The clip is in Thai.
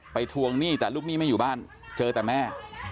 ทวงหนี้แต่ลูกหนี้ไม่อยู่บ้านเจอแต่แม่